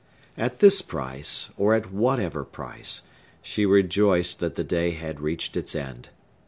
At this price, or at whatever price, she rejoiced that the day had reached its end.